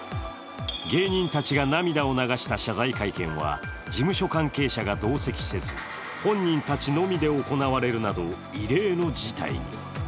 芸人たちが涙を流した謝罪会見は事務所関係者が同席せず本人たちのみで行われる、異例の事態に。